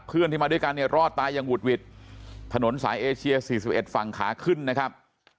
เพื่อนที่มาด้วยกันเนี่ยรอดตายอย่างหุดหวิดถนนสายเอเชีย๔๑ฝั่งขาขึ้นนะครับ